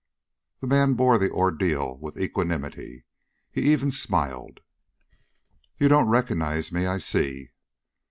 The man bore the ordeal with equanimity; he even smiled. "You don't recognize me, I see."